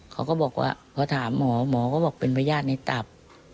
เขาก็บอกว่าพอถามหมอหมอก็บอกเป็นพญาติในตับ